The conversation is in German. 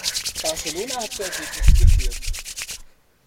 Barcelona hat zu Ergebnissen geführt.